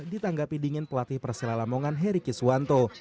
ditanggapi dingin pelatih persela lambongan heri kiswanto